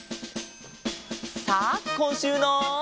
さあこんしゅうの。